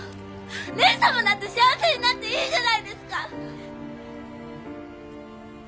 蓮様だって幸せになっていいじゃないですか！